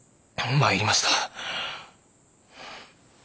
参りました。